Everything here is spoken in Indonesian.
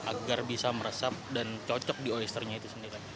agar bisa meresap dan cocok di olisternya itu sendiri